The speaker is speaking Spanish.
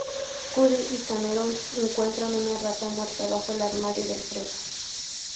Cuddy y Cameron encuentran una rata muerta bajo el armario de Alfredo.